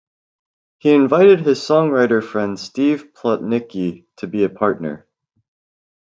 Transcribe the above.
He invited his songwriter friend Steve Plotnicki to be a partner.